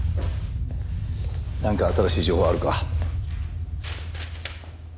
なんか新しい情報はあるか？